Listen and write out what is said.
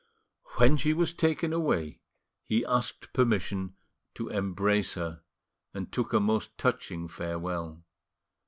When she was taken away, he asked permission to embrace her, and took a most touching farewell.